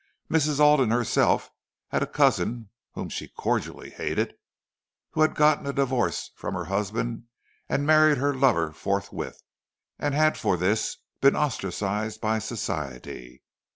Mrs. Alden herself had a cousin (whom she cordially hated) who had gotten a divorce from her husband and married her lover forthwith and had for this been ostracized by Society.